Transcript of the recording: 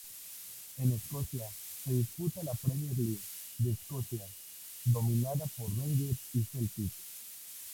En Escocia se disputa la Premier League de Escocia, dominada por Rangers y Celtic.